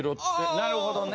なるほどね。